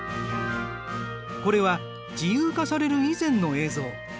これは自由化される以前の映像。